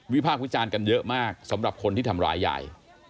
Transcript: ภาควิจารณ์กันเยอะมากสำหรับคนที่ทำร้ายยาย